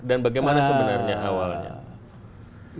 dan bagaimana sebenarnya awalnya